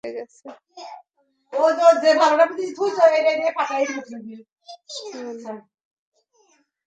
মেডিকেলও হয়ে গেছে।